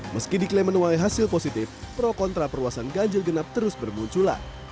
meski diklaim menuai hasil positif pro kontra perluasan ganjil genap terus bermunculan